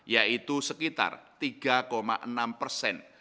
yaitu sekitar tiga enam persen